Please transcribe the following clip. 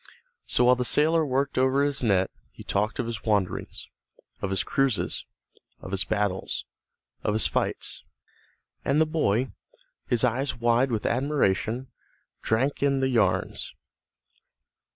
So, while the sailor worked over his net he talked of his wanderings, of his cruises, of his battles, of his flights, and the boy, his eyes wide with admiration, drank in the yarns.